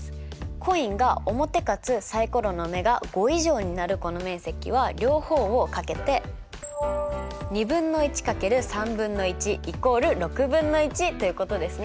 コインが表かつサイコロの目が５以上になるこの面積は両方をかけてということですね。